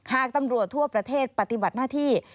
หากตำรวจทั่วประเทศปฏิบัติหน้าที่